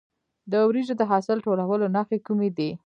د وریجو د حاصل ټولولو نښې کومې دي؟